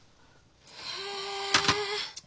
へえ。